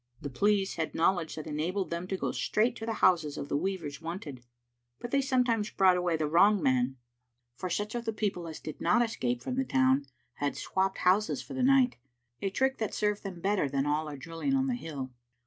The police had knowledge that enabled them to go straight to the houses of the weavers wanted, but they sometimes brought away the wrong man, for such of the people as did not escape from the town had swopped houses for the night — a trick that served them better than all their drilling on the hill.